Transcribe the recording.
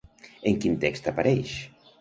En quin text apareix?